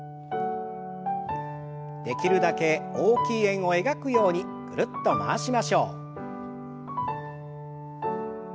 できるだけ大きい円を描くようにぐるっと回しましょう。